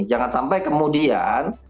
jangan sampai kemudian